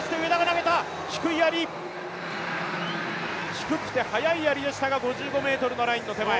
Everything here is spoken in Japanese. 低くて速いやりでしたが、５５ｍラインの手前。